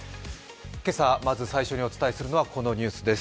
今朝まず最初にお伝えするニュースはこちらのニュースです。